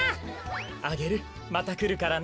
アゲルまたくるからね。